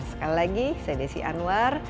sekali lagi saya desi anwar